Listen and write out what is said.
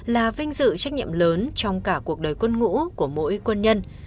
là vinh dự trách nhiệm lớn trong cả cuộc đời quân ngũ của mỗi quân nhân